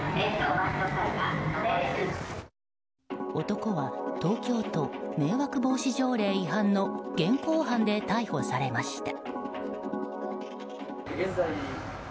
男は東京都迷惑防止条例違反の現行犯で逮捕されました。